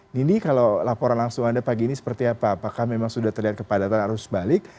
nindi kalau laporan langsung anda pagi ini seperti apa apakah memang sudah terlihat kepadatan arus balik